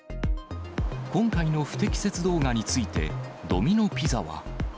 今回の不適切動画について、ドミノピザは。